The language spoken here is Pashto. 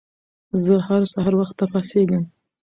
زه هر سهار وخته پاڅيږم